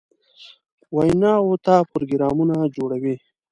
ویناوو ته پروګرامونه جوړوي.